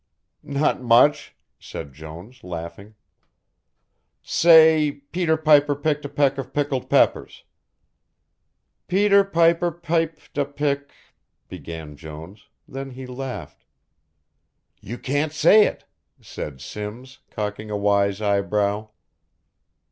"Not much," said Jones, laughing. "Say 'Peter Piper picked a peck of pickled peppers.'" "'Peter Peter piped a pick '" began Jones, then he laughed. "You can't say it," said Simms, cocking a wise eyebrow.